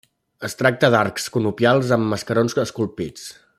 Es tracta d'arcs conopials amb mascarons esculpits.